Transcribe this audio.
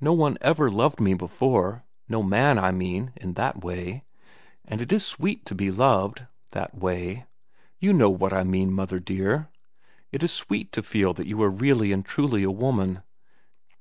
No one ever loved me before—no man, I mean, in that way. And it is sweet to be loved—that way. You know what I mean, mother dear. It is sweet to feel that you are really and truly a woman."